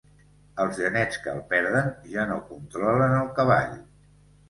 Els genets que el perden ja no controlen el cavall.